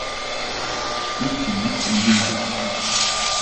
Гэвч энэ нь энгийн л зүйл.